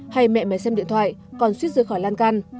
hay mẹ mẹ xem điện thoại con suýt rơi khỏi lan can